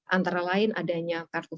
antara lain adanya kartu